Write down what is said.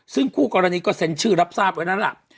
ซึ่งคู่กรณีก็เซ็นชื่อรับทราบไว้แล้วล่ะ